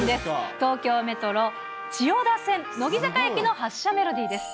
東京メトロ千代田線乃木坂駅の発車メロディです。